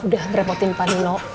udah merepotin pak nino